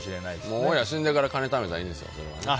もう、親死んでから金貯めたらいいんですよ。